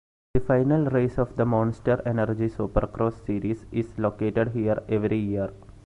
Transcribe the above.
The final race of the Monster Energy Supercross series is located here every year.